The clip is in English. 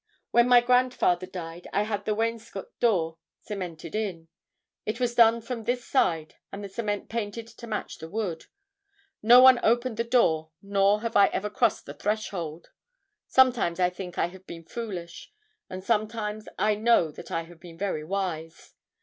When my grandfather died I had the wainscot door cemented in. It was done from this side and the cement painted to match the wood. No one opened the door nor have I ever crossed its threshold. Sometimes I think I have been foolish; and sometimes I know that I have been very wise.